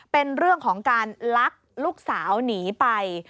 เป็นเรื่องของการลักลูกสาวหนีไป